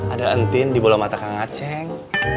ada entin di bola mata kang aceng